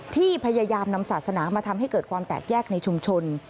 ที่พยายามนำศาสนามาทำให้เกิดความแตกแยกในชุมชน